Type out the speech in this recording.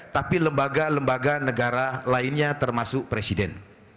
tapi lembaga lembaga negara lainnya termasuk presiden